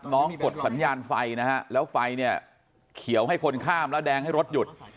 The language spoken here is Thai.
กดสัญญาณไฟนะฮะแล้วไฟเนี่ยเขียวให้คนข้ามแล้วแดงให้รถหยุด